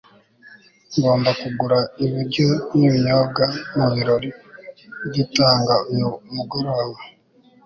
ngomba kugura ibiryo n'ibinyobwa mubirori dutanga uyu mugoroba